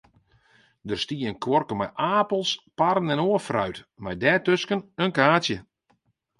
Der stie in kuorke mei apels, parren en oar fruit, mei dêrtusken in kaartsje.